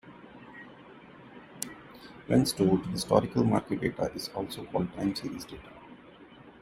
When stored, historical market data is also called time-series data.